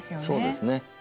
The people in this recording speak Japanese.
そうですね。